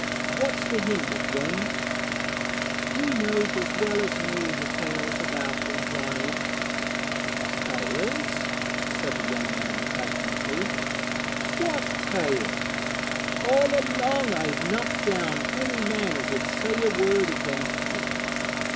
what's to hinder, Jen?' 'Ye knows as well as me the tales about me, Johnnie.' 'Tales!' said the young man passionately; 'what tales? All along I've knocked down any man as 'ud say a word against you.'